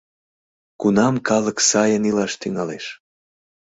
Кунам калык сайын илаш тӱҥалеш?